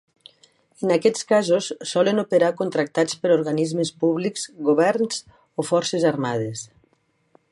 En aquests casos solen operar contractats per organismes públics, governs o forces armades.